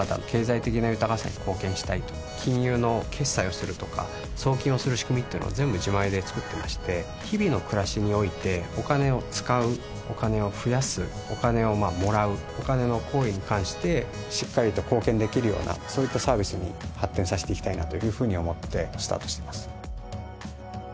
経済的な豊かさに貢献したいと金融の決済をするとか送金をする仕組みっていうのは全部自前でつくってまして日々の暮らしにおいてお金を使うお金を増やすお金をもらうお金の行為に関してしっかりと貢献できるようなそういったサービスに発展させていきたいなというふうに思ってスタートしています